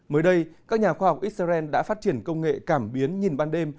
mới đây các nhà khoa học israel đã phát triển công nghệ cảm biến nhìn ban đêm